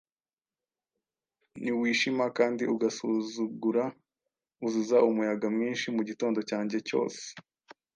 Ntiwishima kandi ugasuzugura Uzuza umuyaga mwinshi mugitondo cyanjye cyose,